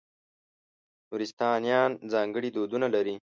نورستانیان ځانګړي دودونه لري.